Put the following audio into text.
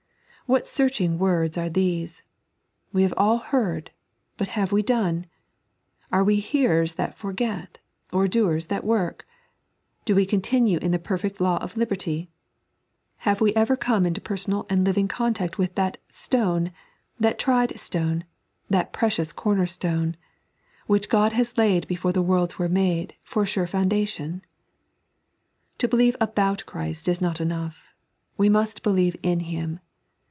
What searching words are these. We have all heard, but have we done 1 Are we hearers that forget, or doers that work 1 Do we continue in the perfect law of liberty 1 Have we ever come into personal and living c»ntact with that " Stone, that tried Stone, that precious Comer stone," which God has laid before the worlds were made, for a sure foundation 1 To bdieve about Christ is not enough ; tee imut believe in Hi m.